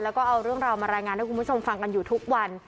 แล้วก็เอาเรื่องราวมารายงานให้คุณผู้ชมฟังกันอยู่ทุกวัน